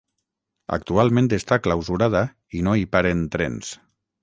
Actualment està clausurada i no hi paren trens.